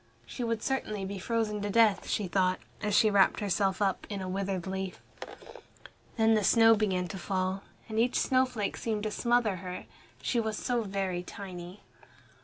She would certainly be frozen to death, she thought, as she wrapped herself up in a withered leaf. Then the snow began to fall, and each snowflake seemed to smother her. She was so very tiny.